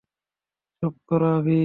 চুপ কর, আভি।